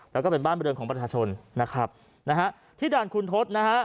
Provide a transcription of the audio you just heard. แล้วก็เป็นบ้านบริเวณของประชาชนนะครับนะฮะที่ด่านคุณทศนะฮะ